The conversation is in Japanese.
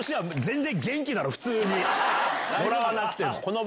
もらわなくても。